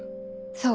そう。